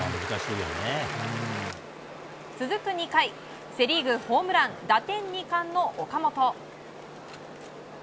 続く２回、セ・リーグホームラン打点２冠の岡本。